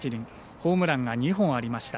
ホームランが２本ありました。